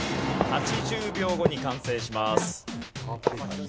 ８０秒後に完成します。